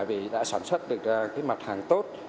vì đã sản xuất được mặt hàng tốt